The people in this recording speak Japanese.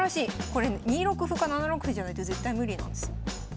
これ２六歩か７六歩じゃないと絶対無理なんですよ。